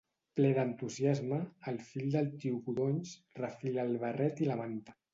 Ple d'entusiasme, el fill del tio Codonys refila el barret i la manta.